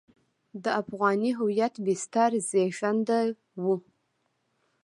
د افغاني هویت بستر زېږنده وو.